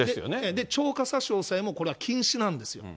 超過差し押さえも、これは禁止なんですよ。